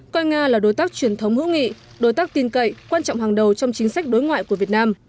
coi nga là đối tác truyền thống hữu nghị đối tác tin cậy quan trọng hàng đầu trong chính sách đối ngoại của việt nam